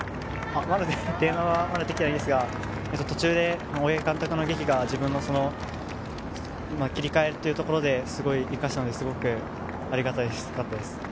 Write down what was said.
まだ電話はできてないですが途中で大八木監督のげきが自分の切り替えというところですごい生かせたのでありがたかったです。